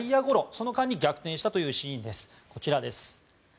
その間に逆転したというシーンです。